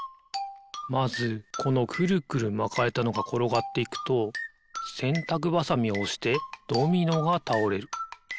まずこのくるくるまかれたのがころがっていくとせんたくばさみをおしてドミノがたおれる。